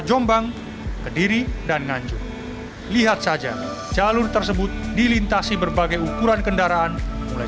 jombang kediri dan nganjuk lihat saja jalur tersebut dilintasi berbagai ukuran kendaraan mulai